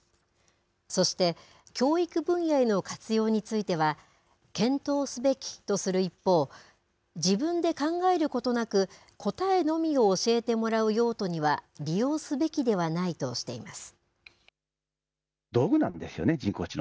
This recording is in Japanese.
そして、教育分野への活用については、検討すべきとする一方、自分で考えることなく、答えのみを教えてもらう用途には利用すべきではないとしています。